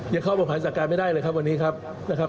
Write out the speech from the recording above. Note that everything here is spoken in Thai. อย่าเข้ามาผ่านสการไม่ได้เลยครับวันนี้ครับ